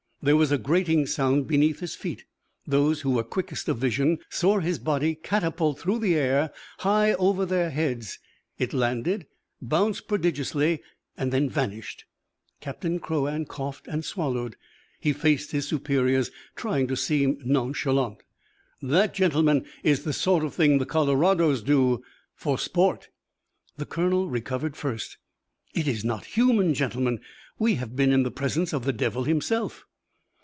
There was a grating sound beneath his feet. Those who were quickest of vision saw his body catapult through the air high over their heads. It landed, bounced prodigiously, vanished. Captain Crouan coughed and swallowed. He faced his superiors, trying to seem nonchalant. "That, gentlemen, is the sort of thing the Colorados do for sport." The colonel recovered first. "It is not human. Gentlemen, we have been in the presence of the devil himself."